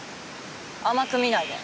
甘く見ないで。